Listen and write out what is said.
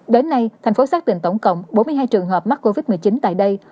đến nay thành phố xác định tổng cộng bốn mươi hai trường hợp mắc covid một mươi chín tại đây